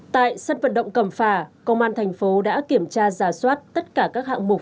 tại sân vận động cầm phả công an thành phố đã kiểm tra giả soát tất cả các hạng mục